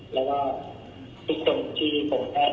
แล้วก็คนที่คนแทน